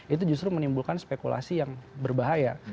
itu justru menimbulkan spekulasi yang berbahaya